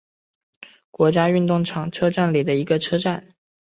国家运动场车站里的一个车站。